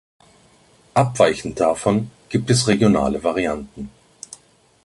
Abweichend davon gibt es regionale Varianten.